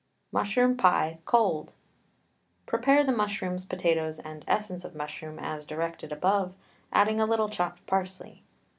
MUSHROOM PIE, COLD. Prepare the mushrooms, potatoes, and essence of mushroom as directed above, adding a little chopped parsley.